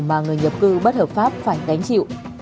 mà người nhập cư bất hợp pháp phải gánh chịu